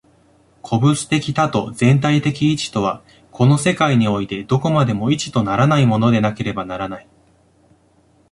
個物的多と全体的一とは、この世界においてどこまでも一とならないものでなければならない。